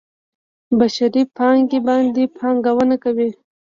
بشري پانګې باندې پانګونه کوي.